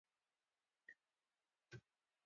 هر دولت خپل سیسټم لري.